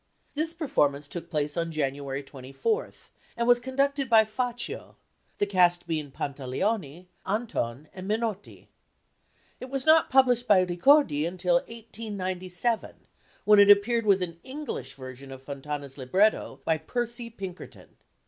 This performance took place on January 24, and was conducted by Faccio, the cast being Pantaleoni, Anton, and Menotti. It was not published by Ricordi until 1897, when it appeared with an English version of Fontana's libretto by Percy Pinkerton.